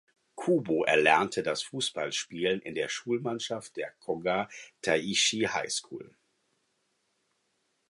Kubo erlernte das Fußballspielen in der Schulmannschaft der Koga Daiichi High School.